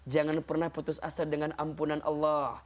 jangan pernah putus asa dengan ampunan allah